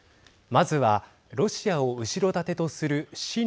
まずはロシアを後ろ盾とする親